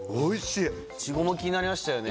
いちごも気になりましたよね。